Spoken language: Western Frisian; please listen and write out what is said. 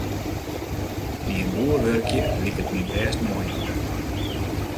By in boer wurkje liket my bêst moai.